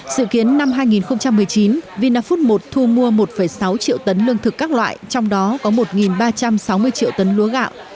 sự kiến năm hai nghìn một mươi chín vinafood một thu mua một sáu triệu tấn lương thực các loại trong đó có một ba trăm sáu mươi triệu tấn lúa gạo